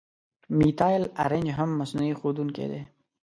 میتایل آرنج هم مصنوعي ښودونکی دی.